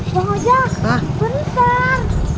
bang hojak bentar